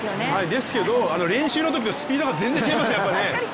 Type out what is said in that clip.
ですけど、練習のときと全然スピードが違いますね！